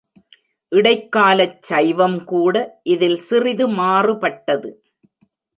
இடைக்காலச் சைவம் கூட இதில் சிறிது மாறுபட்டது.